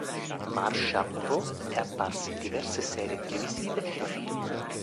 Marsha Moreau è apparsa in diverse serie televisive e film.